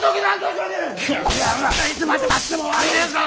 この野郎いつまでたっても終わんねえぞ！